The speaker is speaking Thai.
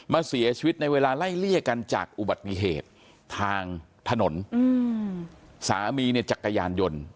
เสียชีวิตในเวลาไล่เลี่ยกันจากอุบัติเหตุทางถนนอืมสามีเนี่ยจักรยานยนต์